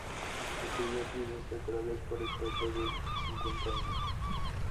Escribió piezas teatrales por espacio de cincuenta años.